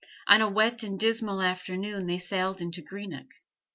On a wet and dismal afternoon they sailed into Greenock.